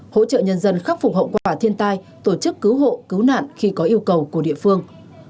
hỗ trợ nhân dân khắc phục hậu quả thiên tai tổ chức cứu hộ cứu nạn khi có yêu cầu của địa phương